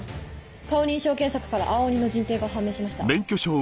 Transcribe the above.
顔認証検索から青鬼の人定が判明しました。